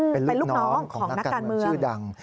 เป็นลูกน้องของนักการเมืองชื่อดัง